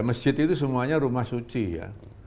masjid itu semuanya rumah suci ya